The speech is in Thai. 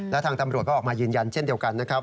และทางตำรวจก็ออกมายืนยันเช่นเดียวกันนะครับ